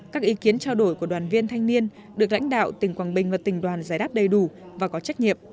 các ý kiến trao đổi của đoàn viên thanh niên được lãnh đạo tỉnh quảng bình và tỉnh đoàn giải đáp đầy đủ và có trách nhiệm